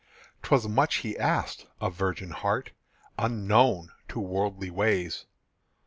'Twas much he asked a virgin heart Unknown to worldly ways.